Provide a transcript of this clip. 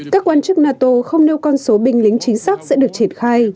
các quan chức nato không nêu con số binh lính chính xác sẽ được triển khai